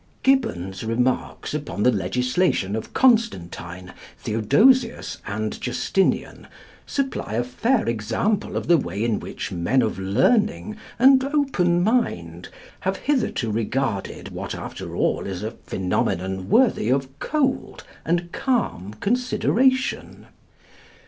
Gibbon's remarks upon the legislation of Constantine, Theodosius, and Justinian supply a fair example of the way in which men of learning and open mind have hitherto regarded what, after all, is a phenomenon worthy of cold and calm consideration.